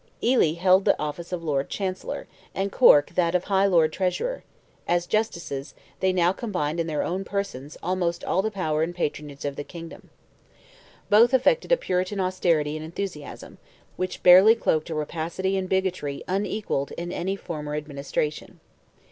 Ely held the office of Lord Chancellor, and Cork that of Lord High Treasurer; as Justices, they now combined in their own persons almost all the power and patronage of the kingdom. Both affected a Puritan austerity and enthusiasm, which barely cloaked a rapacity and bigotry unequalled in any former administration.